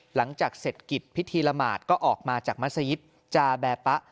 หลังจากเสร็จกิจพิธีละหมาดก็ออกมาจากมัศยิตจาแบปะ